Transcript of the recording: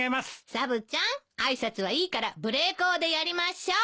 サブちゃん挨拶はいいから無礼講でやりましょう。